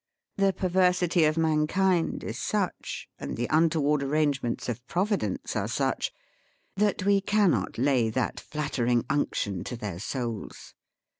The perversity of mankind is such, and the untoward arrangements of Providence are such, that we cannot lay that flattering unc tion to their souls.